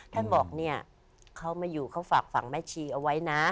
แท่งบอกเขามีอยู่เข้าฝากฝังแม่ชีเอาไว้นะ